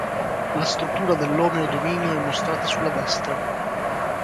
La struttura dell'omeodominio è mostrata sulla destra.